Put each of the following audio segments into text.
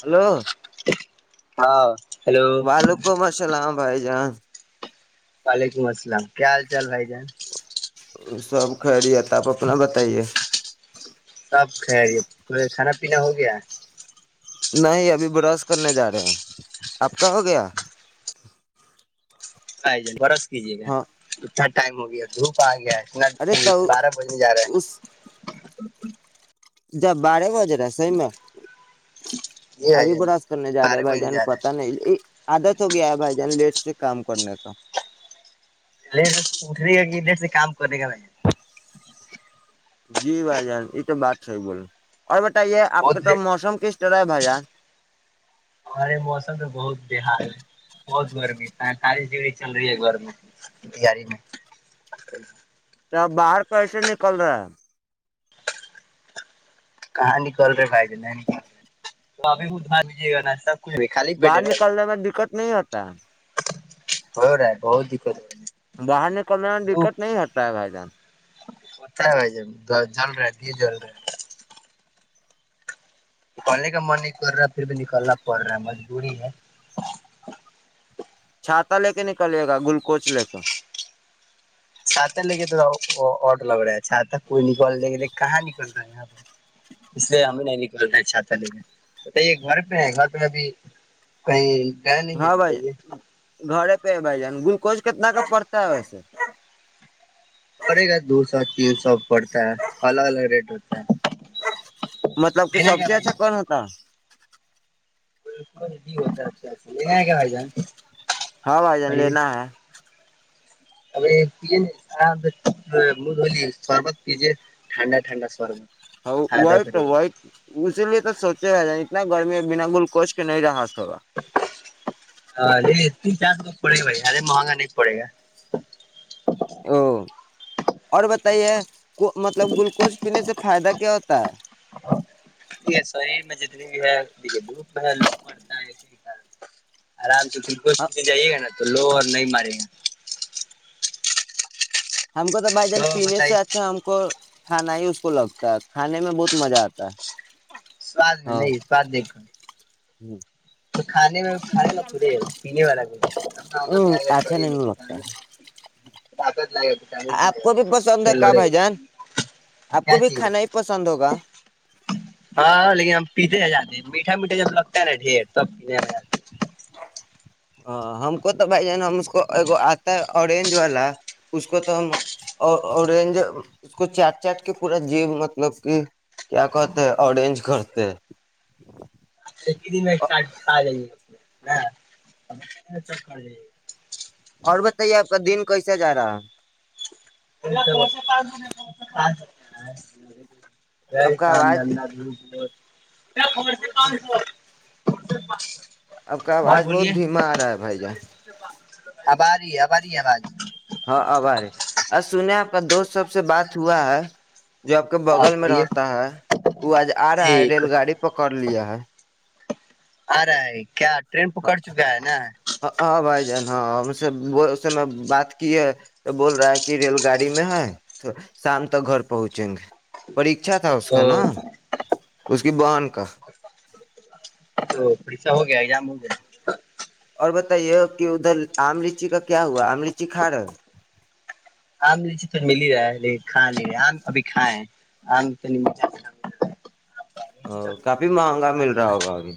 hello ہاں hello وعلیکم السلام بھائی جان وعلیکم السلام کیا حال چال بھائی [unintelligible] سب خھ رہی ہے تھا آپ اپنا بتائیے سب خیریت کھانا [inaudible] نہیں ابھی برش کرنے جا رہے ہو آپ کا ہو گیا آ ج ب کیجیے گا ہاں اچھا ٹائم ہو گیا دھوپ آ گیا ہے اتنا ارے ج تو بارہ بجنے جا رہا ہے اس جب بارہ بجے رہ سی میں جی بھائی ابھی ب جان راس کرنے جا رہے بارہ بھائی بجنے جان جا رہا پتا ہے نہیں عادت ہو گیا ہے بھائی جان لیٹ اس سے کام کرنے کا پلے اٹھے گا کہ ادھر سے کام کرے گا میں جی بھائی جان یہ تو بات ہے بول اور ے آپ کو بہت تو لیٹ موسم کس چ رہا بجا ہمارے موسم تو بہت بےحال ہے بہت گرمی پینتالیس ڈگری چل رہی ہے گرمی بیہاری میں توب باہر کیسے نکل رہا ہے کہاں نکل رہے بھائید نہیں نکل رہے تو ابھی اٹھا دیجیے گا ناشہ باہر نکالنے میں دقت نہیںتا ہ ہو رائے بہت دکھت باہر نکلنے میں دقت نہیں ہوٹتا ہے بھائی جان پتا ہے بھ ج جل رہا دی جل رہا نکالنے کا من نہیں کر رہا پھر بھی نکالنا پڑ رہا ہے مجبوری ہے چھاتاتا لے کے نکلیے گا گلکوچ لے کر چھات لے کے تو وہ آٹ لگ رہا ہے چھات کوئی نکلنے کے لیے کہاں نکل رہا ہے یہاں پر اس لیے ہمیں نہیں نکل رہ ہیں چھات لے کےے گھر پہ ہے گھر پہ ابھی کہیں گیا نہیں ہاں ہے بھائی بتائیے گھر بھ ج گلکز کتنا کا پڑتا ہےس پڑے گا دو سو تین سو پڑتا ہے الگ الگ ریٹ ہوتا مطلب کہ ہے گ سب سے بھائی اچھا کون ہوتا [inaudible] وہ بھی ہوتاات کیا فائی جان ہاں بھائی جان لینا ہے ا پ آ مدلی شربت پیزے ٹھنڈا ٹھنڈا شربت ہ و فائدہ تو کرے و اسی لیے تو سوچے گا نہیں نہیں نہ گرمی بنا بول کوچ کے نہیں رہا ا صبا یہ تس چارو پڑے گا بھائی ارے مہنگا نہیں پڑے گا او اور بتائیے کو مطلب گلوکوز پینے سے فائدہ کیا کیتا یک ہے شریر میں جتنی بھی ہے دھوپ ہے ل مڑتا ہے اسی آرام تو دوست جائیےا نا تو لو اور نہیں مارے گے ہم کو تو بھائی جان پینے سے اچھا ہم کو کھانا ہی اس کو لگتا ہے کھانے میں بہت مزہ آتا ہے سد میں نہیں سد دیکھ ہوں تو کھانے میں کھان ل تھڑے ہے پینے والا بھینا لائے گا اچھا نہیں سی لگتا طقت ل گا آپ کو بھی پسند ہے پھر کا لڑے بھائی گا جان آپ کو کیا بھی چاہیے کھانا ہی پسند ہوگا پیھے جے ہیں میٹا میٹا جب لگتا ہےا ڈر سب کے ہ ہم کو تو بھائی جان ہم اس کو ایک آتا ہے اوررینج والا اس کو تو ہمینج اس کو چاٹ چاٹ کے پورا جیب مطلب کہ کیا کہتے ہیں اوررینج کرتے اچھا ک د میں چار چالیں گے ہ چک اور بتائیے آپ کا دن کیسا جا رہا ہے [inaudible] ہاں جی آپ کا آواز چاندنا گو بول رکھ سے پانچ سو ا آپ کا آواز بہت دھیما آ رہا ہے بھائی جان آباری ہے آباری ہے ہمباری ہاں آبار ہے آ سن دوست سب سے بات صوا جو آپ کے بغل کو میں یہ رہتا ہے وہ آج آ رہا جی ہے ریل گاڑی پکڑ لیا ہے آ رہا ہے کیا ٹرین پکڑ چکا ہے نا ہاں بھائی جان ہاں ہم اس میں بات کی ہے تو بول رہا ہے کہ ریل گاڑی میں ہے تو شام تک گھر پہنچیں گے پریچھا تھا اس تو کا نا اس کی بان کا جام م اور بتائیے کہ ادھر آم لچی کا کیا ہوا آم لچی کھا رہے آم لیچے تو مل ہی رہا ہے کھا نہیں رہ آم ابھی کھائے آم تو نہیں مل جات ا کافی مہنگا مل رہا ہوگا ہے ابھی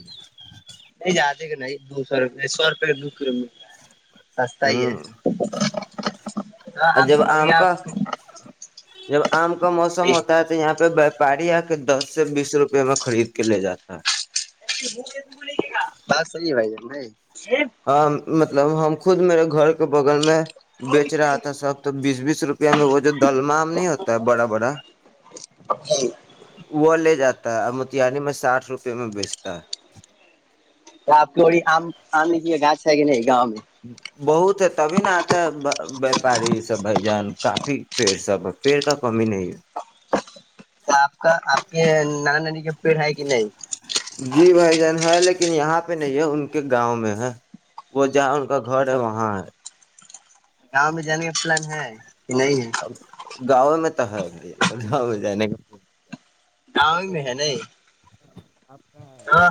نہیں جاتے نہیں دو سو روپے سو روپے کا دو کلو مل رہا ہے سستا ہی ہے ہوں ہ اور جب آم کا جب آم کا موسم ہوتا ہے تو یہاں پہ وپاری آ کے دس سے بیس روپے میں خرید کے لے جاتا ہے بے بولے گے کا بات صحی ہے بھائی ج نہیں ہاں مطلب مطلب ہم خود میرے گھر کے بغل میں بیچ رہا تھا نہیں سب تو بیس بیس روپیہ میں وہ جو دلمام نہیں ہوتا ہے بڑا بڑا وہ لے جاتا ہے متانی میں ساٹھ روپ پ میں بیچتا ہے آپ کیوری کی گاچ ہے کہ نہیں گاؤ ہچ بہت ہے تبھی ن آتا وپاری سب بی جان کافی پیڑ سب پیڑ کا کمی نہیں ہے آپ کا آپ کے نانا نانی کے پیڑ ہے کہ نہیں جی بھائی جان ہے لیکن یہاں پہ نہیں ہے ان کے گاؤں میں ہے وہ جہاں ان کا گھر ہے وہاں ہے گاؤں میں جانے کا پلان ہے کہ نہیں ہے اور گاؤں میں تو ہو جائے آؤ میں ہے نہیں ہ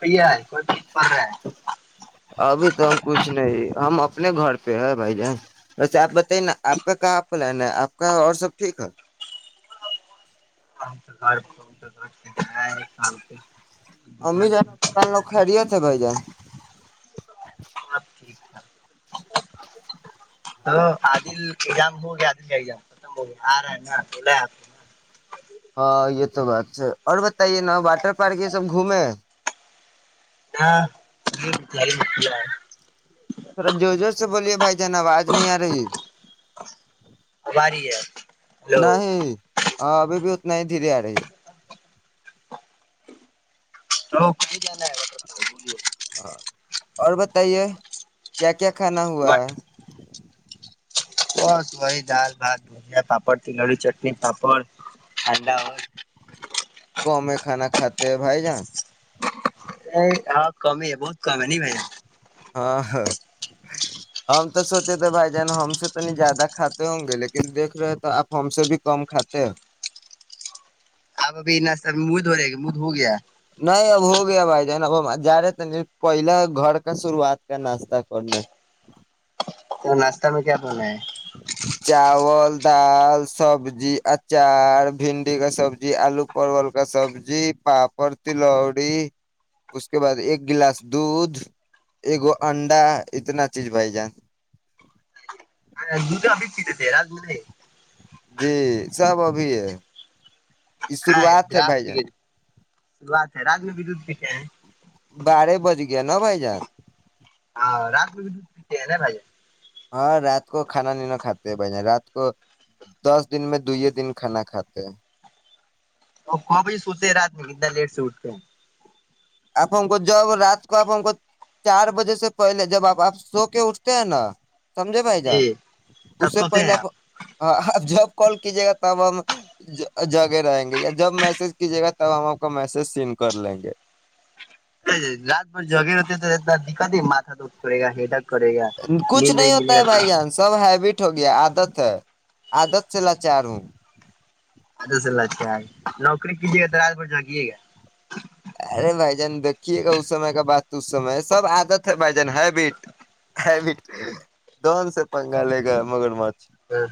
بھیا ہے کوئی پ پ رہا ہے ابھی تو ہم کچھ نہیں ہم اپنے گھر پہ ہے بھائی جان ویسے آپ بتائیے نا آپ کا کہاں پلان ہے آپ کا اور سب ٹھیک ہے گھر کو گھر سلتے امی جا دکان ل خیریییا تھ بائی جان سب ٹھیک تو عادل ایگزام ہو گیا عادل کا ایگزام ختم ہو گیا آ رہا ہے نا بلاے آپ کو ہاں یہ تو بات ہے اور بتائیے نا واٹر پارک یہ سب گھومے ہاں یہاری مک تھذرا زور زور سے بولیے بھائی جان آواز نہیں آ رہی اری ہے للو نہیں ہاں ابھی بھی اتنا ہی دھیر آ رہی ہے تو ک جنا ہے ب ہاں اور بتائیے کیا کیا کھانا ہوا ہے بس وہی دال بھات دنیا پاپڑ تلڑی چٹنی پاپڑ ٹھڈا ہوت کم کھانا کھاتے ہیں بھائی جان نہیں ہاں کمی ہی ہے بہت کم ہے نہیں بھ ہاں ہاں ہم تو سوچے تھے بھائی جان ہم سے تو نہیں زیادہ کھاتے ہوں گے لیکن دیکھ رہے تو آپ ہم سے بھی کم کھاتے ہیں اب ابب مہ د ہو رہے گ مہھ ہو گیا نہیں اب ہو گیا بھائی جان اب ہم جا رہے تھ نہیں پہلا گھر کا شروعات کا ناشتہ کرنے تو ناشتہ میں کیا بنا ہے چاول دال سبزی اچار بھنڈی کا سبزی آلو پروول کا سبزی پاپڑ تلوڑی اس کے بعد ایک گلاس دھ ایکو انڈا اتنا چیز بھائی جان د تو ابھی چیتے تھے راج میں جی سب ابھی ہے یہ نہیں شروعات ہے رات بھائی جان شروعات ہے رات میں بھی دودھ پیتے ہیں بارے بج ج ن بائی جار ہاں رات بھی د ن بھ ہاں رات کو کھانا نہیں ن کھاتے بہن رات کو دس دن میں دوے دن کھانا کھاتے ہیں اور کبھی سوتے رات نہیں انا لیٹ سے اٹھتے آپ ہم کو جب رات کو آپ ہم کو چار بجے سے پہلے جب آپ آپ سو کے اٹھتے ہیں نا سمجھے بھائی جان جی اس تب سے سوتے پہلے ہیں آپ آپ جب کال کیجیے گا تب ہم جگہ رہیں گے یا جب میسج کیجیے گا تب ہم آپ کا میسج سینڈ کر لیں گے ج رات بھر جگے ہوتے تونا دقت ہی ماتھ دکھ پے گا ہےا کچھ نہیں ہوتا ہے بھائی جان سب ہیبٹ ہو گیا آدت ہے آدت سے لاچار ہوں ااسلہ اچھا نوکری کیجیے گا تو رات ب جا کییے گا ارے بھائی جان دیکھیے گا اس سمے کا بات تو اس سم ہے سب آادت ہے بھائی جان ہیبٹٹ دون سے پنگا لے گا مگر مت ہاں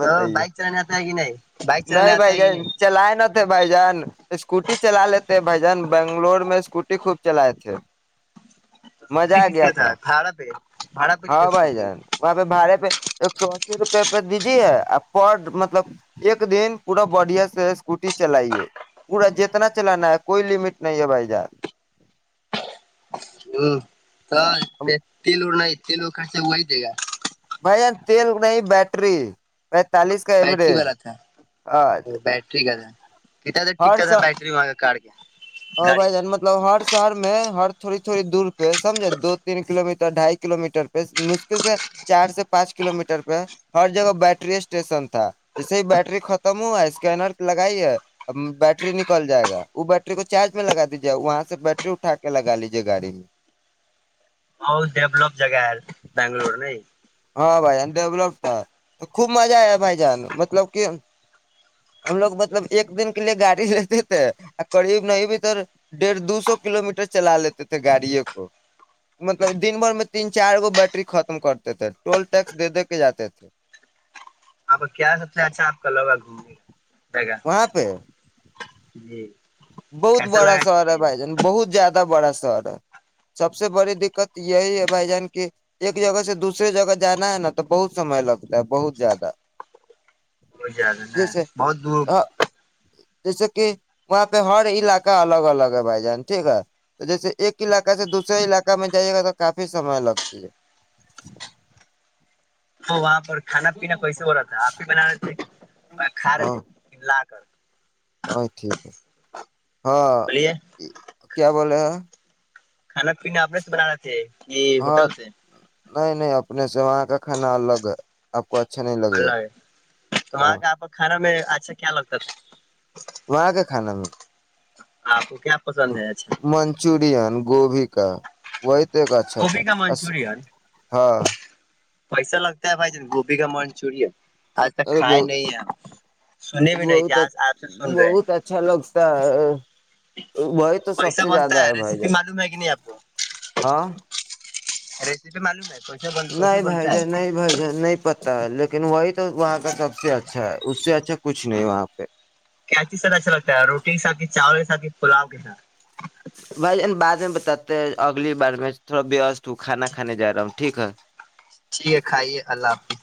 تو بائک چلنے آتا ہے کہ نہیں بائک چلنے نہیں آتا بھائی ہے کہ جان نہیں چلائے نہ تھے بھائی جان اسکوٹی چلا لیتے بھجن بنگلور میں اسکوٹی خوب چلائے تھے مزہ اسکوٹی آ کس گیا کا تھا بھاڑا پہ بھاڑا پہ لیتے ہاں بھائی اسکوٹی جان وہاں پہ بھڑے پہ ایک سو اسی روپے پہ دیجیے پر مطلب ایک دن پورا بڑھیا سے اسکوٹی چلائیے پورا جتنا چلانا ہے کوئی لمٹ نہیں ہے بھائی جان ہاں تو پس لوور نہیں کلو خرچے ہوا ہی دے گا بھائی جان تیل نہیں بیٹری پینتالیس کا بیٹری ایوریج والا تھا بیٹری کا تھا [inaudible] ک کتا ہر تھا ب سا بیٹری مگا کاڈ کے ج اور بھائی جان مطلب ہر شہر میں ہر تھوڑی تھوڑی دور پہ سمجھے دو تین کلو میٹر ڈھائی کلو میٹر پہ مشکل سے چار سے پانچ کلو میٹر پہ ہر جگہ ب بیٹری اسٹیشن تھا جیسے ہی ب بیٹری ختم ہوا اسکینر لگائی ہے بیٹری نکل جائے گا وہ بٹری بیٹری کو چارج میں لگ دیجیے وہاں سے بیٹری اٹھا کے لگا لیجیے گاڑی میں ب ڈولپ جگا ہے بگلور نہیں ہاں بھائی جان ڈیولپ تھا تو خوب مزہ آیا بھائی جان مطلب کہ ہم لوگ مطلب ایک دن کے لیے گاڑی لیتے تھے قریب نہیں بھی تو ڈیڑھ دو سو کلو میٹر چلا لیتے تھے گاڑیے کو مطلب دن بھر میں تین چار گو بیٹری ختم کرتے تھے ٹول ٹیکس دے دے کے جاتے تھے اں کیا سب سے اچھا آپ کا لوگا گھومنے کا جگہ وہاں پہ جی بہت کیسا بڑا لگا شہر ہے ایکسپریئنس بائی جان بہت زیادہ زیا بڑا شہر ہے سب سے بڑی دقت یہی ہے بھائی جان کی ایک جگہ سے دوسریے جگہ جانا ہے نا تو بہت سمے لگتا ہے بہت زیادہ وہ زیادہ نا جیسے بہت دور جیسے کہ وہ پ ہر علاق الگ الگ ہے بھائی جان ٹھیک ہے تو جیسے ایک علاق سے دوسرے علاقہ میں جائیے گا تو کافی سمے لگتی ہے وہ وہاں پر کھانا پینا کیسے ہو رہا تھا آپ ہی بنا رہے تھے کھا رہے تھے ل ہ ٹھیک ہے ہاں بولیے کیا بولے ہیں کھانا پین اپنے سے بنان رہے تھے یہ ہاں ہوٹل سے نہیں نہیں اپنے سے وہاں کا کھانا الگ ہے کو اچھا نہیں لگے گا اللہ ہے تو ہاں وہاں کے آپ کا کھانا میں اچھا کیا لگتا تھا آاں پ منچورن گوبھی وہ ا کا اچھا تھا گوبھی کا ہاں پیسہ لگتا ہے بھائی ج گوبھی کا من چوری ہے آج تک کھائے نہیں ہیںپ بت بہت اچھا لگتا ہے وہائی تو سب کیسا سے زیادہ بنتا ہے بائی ج ریسیپی معلوم ہے کہ نہیں آپ کو ہاں ریسیپی معلوم ہے کوئی نہیں بھائی جان نہیں بھائی جان نہیں پتا لیکن وہی تو وہاں پہ سب سے اچھا ہے اس سے اچھا کچھ نہیں وہاں پہ کیاچی سر اچھا لگتا ہے روٹی کے ساتھی چاول پلاؤ کے ساتھ بھائی جان بعد بتاتے اگلی بار میں تھوڑا وست ہوں کھانا کھے جا رہا ہوں ٹھیک ہے ٹھیک ہے کھائیے اللہ حافظ